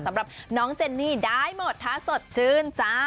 สำหรับน้องเจนนี่ได้หมดถ้าสดชื่นจ้า